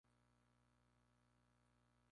Inició su carrera en Todelar.